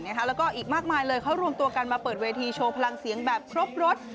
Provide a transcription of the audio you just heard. แล้วก็อีกมากมายเลยเขารวมตัวกันมาเปิดเวทีโชว์พลังเสียงแบบครบรถ